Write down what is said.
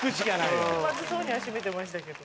気まずそうには閉めてましたけど。